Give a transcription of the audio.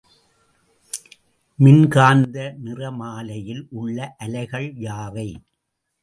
மின்காந்த நிறமாலையில் உள்ள அலைகள் யாவை?